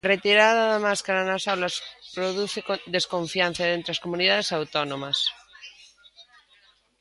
A retirada da máscara nas aulas produce desconfianza entre as comunidades autónomas.